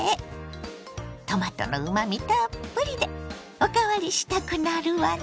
トマトのうまみたっぷりでおかわりしたくなるわね。